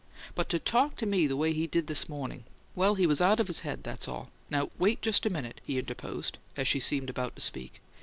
But to talk to me the way he did this morning well, he was out of his head; that's all! Now, wait just a minute," he interposed, as she seemed about to speak.